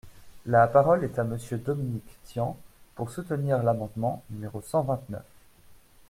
La parole est à Monsieur Dominique Tian, pour soutenir l’amendement numéro cent vingt-neuf.